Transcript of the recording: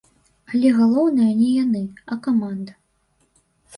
Але галоўнае не яны, а каманда.